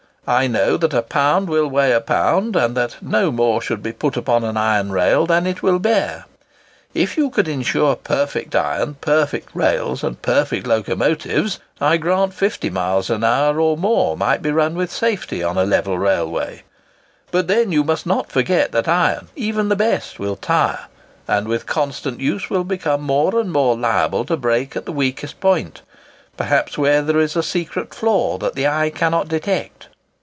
I know that a pound will weigh a pound, and that no more should be put upon an iron rail than it will bear. If you could ensure perfect iron, perfect rails, and perfect locomotives, I grant 50 miles an hour or more might be run with safety on a level railway. But then you must not forget that iron, even the best, will 'tire,' and with constant use will become more and more liable to break at the weakest point—perhaps where there is a secret flaw that the eye cannot detect.